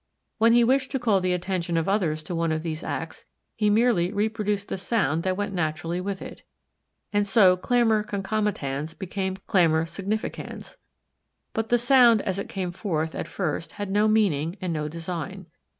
When he wished to call the attention of others to one of these acts he merely reproduced the sound that went naturally with it. And so clamor concomitans became clamor significans. But the sound as it came forth at first had no meaning and no design.